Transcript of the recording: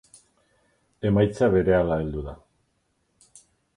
Emaitza berehala heldu da.